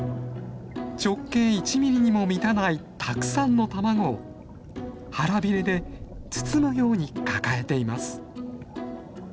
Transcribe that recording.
直径１ミリにも満たないたくさんの卵を腹びれで包むように抱えています。